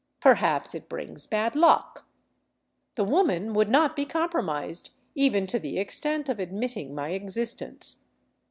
Perhaps it brings bad luck. The woman would not be compromised, even to the extent of admitting my existence.